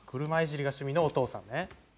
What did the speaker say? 車いじりが趣味のお父さんね。